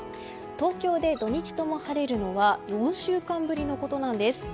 東京で土日とも晴れるのは４週間ぶりのことなんです。